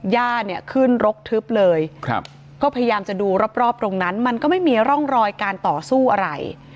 ย่าเนี่ยขึ้นรกทึบเลยก็พยายามจะดูรอบตรงนั้นมันก็ไม่มีร่องรอยการต่อสู้อะไร